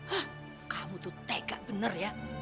hah kamu tuh teka bener ya